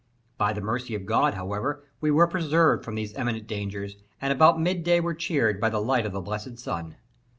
By the mercy of God, however, we were preserved from these imminent dangers, and about midday were cheered by the light of the blessed sun.